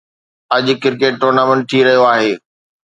اڄ cricket tournament ٿي رهيو آهي